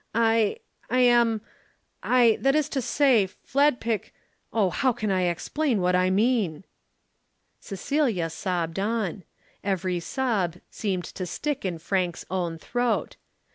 "I I am I that is to say, Fladpick oh how can I explain what I mean?" Cecilia sobbed on. Every sob seemed to stick in Frank's own throat.